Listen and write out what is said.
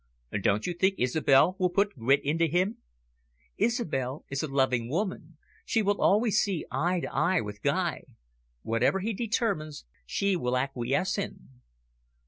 "Don't you think Isobel will put grit into him?" "Isobel is a loving woman. She will always see eye to eye with Guy. Whatever he determines, she will acquiesce in."